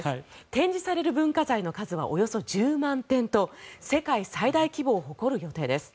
展示される文化財の数はおよそ１０万点と世界最大規模を誇る予定です。